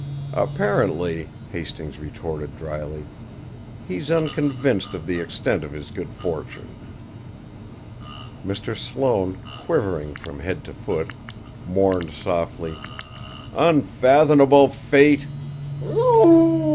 "Apparently," Hastings retorted drily, "he's unconvinced of the extent of his good fortune." Mr. Sloane, quivering from head to foot, mourned softly: "Unfathomable fate!"